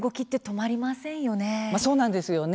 まあそうなんですよね。